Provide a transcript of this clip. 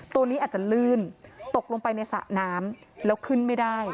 ตัวนี้อาจจะลื่นตกลงไปในสระน้ำแล้วขึ้นไม่ได้